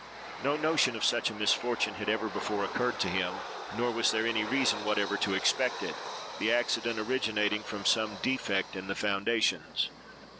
No notion of such a misfortune had ever before occurred to him, nor was there any reason whatever to expect it; the accident originating from some defect in the foundations.